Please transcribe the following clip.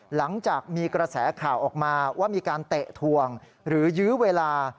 หลังจากมีกระแสข่าวออกมาว่ามีการเตะทวงหรือยื้อเวลา